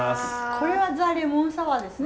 これはザレモンサワーですね。